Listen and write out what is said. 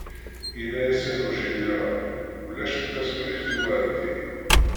Yenna-yasen ujiniral ulac tasurift uɛeddi.